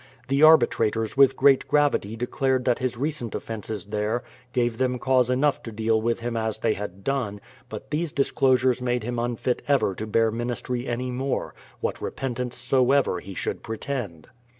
The arbitrators with great gravity declared that his recent offences there gave them cause enough to deal with him as they had done ; but these disclosures made him unfit ever to bear ministry any more, what repentance soever he should pretend.